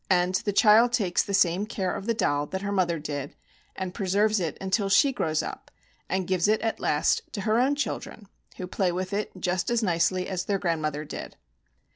And the child takes the same care of the doll that her mother did, and pre serves it until she grows up, and gives it at last to her own children, who play with it just as nicely as their grandmother did.